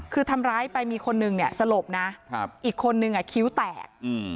คือทำร้ายไปมีคนนึงเนี่ยสลบนะอีกคนนึงคิ้วแตก